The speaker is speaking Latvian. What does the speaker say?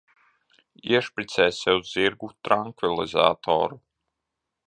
Iešpricē sev zirgu trankvilizatoru.